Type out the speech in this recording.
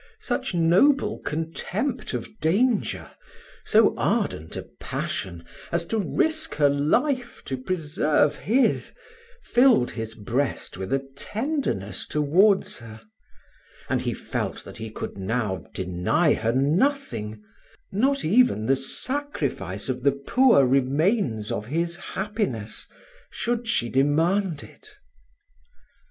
Such noble contempt of danger, so ardent a passion, as to risk her life to preserve his, filled his breast with a tenderness towards her; and he felt that he could now deny her nothing, not even the sacrifice of the poor remains of his happiness, should she demand it.